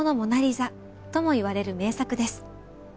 ともいわれる名作です。